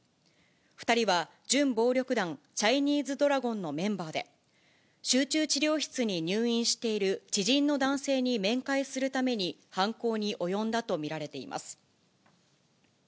２人は準暴力団、チャイニーズドラゴンのメンバーで、集中治療室に入院している知人の男性に面会するために犯行に及んだと見られています。